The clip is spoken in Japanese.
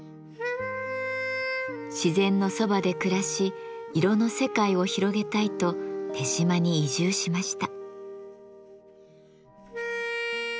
自然のそばで暮らし色の世界を広げたいと豊島に移住しました。